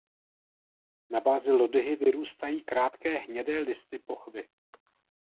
Na bázi lodyhy vyrůstají krátké hnědé listy pochvy.